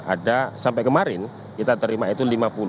ada sampai kemarin kita terima itu lima puluh